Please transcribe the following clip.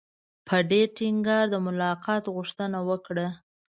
په ډېر ټینګار د ملاقات غوښتنه وکړه.